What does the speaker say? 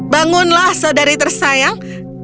bangunlah saudari tersayang